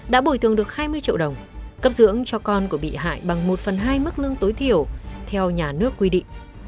đã bồi thường được hai mươi triệu đồng cấp dưỡng cho con của bị hại bằng một phần hai mức lương tối thiểu theo nhà nước quy định